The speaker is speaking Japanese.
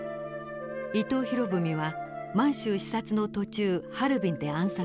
伊藤博文は満州視察の途中ハルビンで暗殺されます。